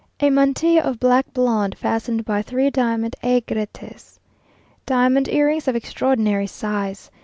A mantilla of black blonde, fastened by three diamond aigrettes. Diamond earrings of extraordinary size.